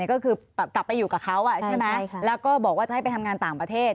ก็คือกลับไปอยู่กับเขาใช่ไหมแล้วก็บอกว่าจะให้ไปทำงานต่างประเทศ